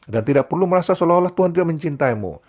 dan tidak perlu merasa seolah olah tuhan tidak mencintaimu